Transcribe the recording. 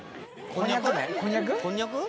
こんにゃく？